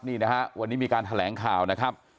นี่นะฮะวันนี้มีการแถลงข่าวนะครับ